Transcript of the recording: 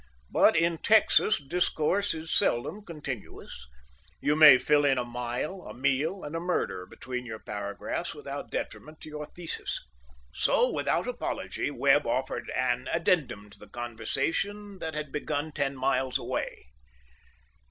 But in Texas discourse is seldom continuous. You may fill in a mile, a meal, and a murder between your paragraphs without detriment to your thesis. So, without apology, Webb offered an addendum to the conversation that had begun ten miles away.